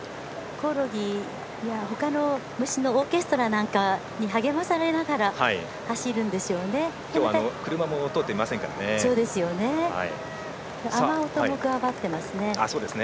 コオロギや、ほかの虫のオーケストラなんかに励まされながら走るんですよね。